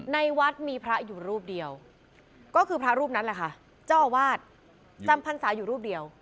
ในวัดมีพระอยู่รูปเดียวก็คือพระรูปนั้นแหละค่ะเจ้าอาวาสจำพรรษาอยู่รูปเดียว